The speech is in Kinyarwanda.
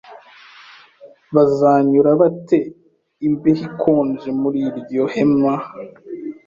Bazanyura bate imbeho ikonje muri iryo hema?